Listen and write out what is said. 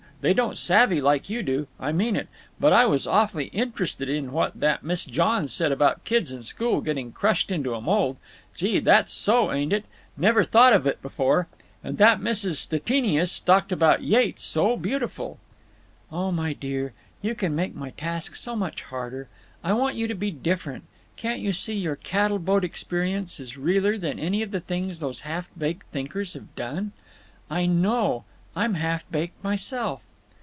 They don't savvy like you do. I mean it! But I was awful int'rested in what that Miss Johns said about kids in school getting crushed into a mold. Gee! that's so; ain't it? Never thought of it before. And that Mrs. Stettinius talked about Yeats so beautiful." "Oh, my dear, you make my task so much harder. I want you to be different. Can't you see your cattle boat experience is realer than any of the things those half baked thinkers have done? I know. I'm half baked myself."